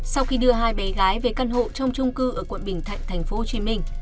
sau khi đưa hai bé gái về căn hộ trong trung cư ở quận bình thạnh tp hcm